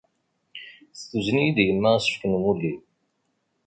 Tuzen-iyi-d yemma asefk n umulli.